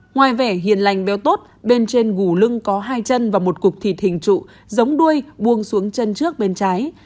ngoài vẻ hiền lành béo tốt bên trên gù lưng có hai chân và một cục thịt hình trụ giống đuôi buông xuống chân trước bên trái